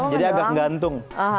jadi agak gantung